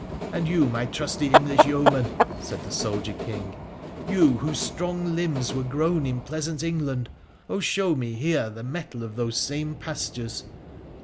And you, my trusty English yeomen,' said the soldier King — 'you whose strong limbs were grown in pleasant England — oh I FHRA THE rilCENIClAN 203 show me here the mettle of those same pastures